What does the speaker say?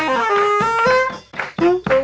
เอาเลยค่ะ